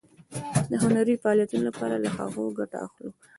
د هنري فعالیتونو لپاره له هغو ګټه اخلو.